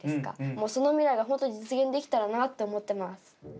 もうその未来が実現できたらなと思ってます。